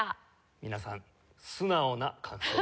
皆さん素直な感想ですね。